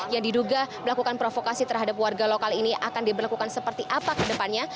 yang diduga melakukan provokasi terhadap warga lokal ini akan diberlakukan seperti apa ke depannya